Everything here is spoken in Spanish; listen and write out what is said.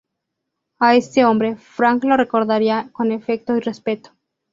A este hombre, Frank lo recordaría con afecto y respeto.